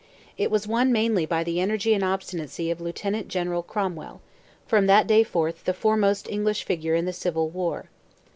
It was won mainly by the energy and obstinacy of Lieutenant General Cromwell, from that day forth the foremost English figure in the Civil War.